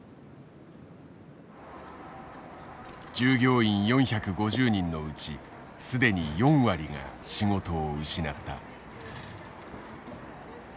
従業員４５０人のうち既に４割が仕事を失った。